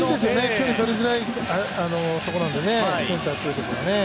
距離とりづらいところなんでねセンターというところはね。